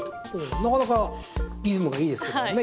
なかなかリズムがいいですけどもね。